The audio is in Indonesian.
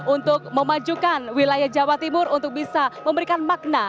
untuk memajukan wilayah jawa timur untuk bisa memberikan makna